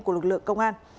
của lực lượng công an